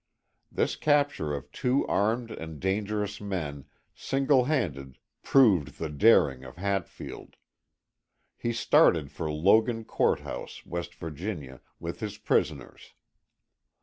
This capture of two armed and dangerous men single handed proved the daring of Hatfield. He started for Logan Court House, W. Va., with his prisoners.